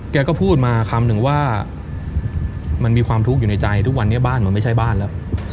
แกก็พูดมาคำหนึ่งว่ามันมีความทุกข์อยู่ในใจทุกวันนี้บ้านมันไม่ใช่บ้านแล้ว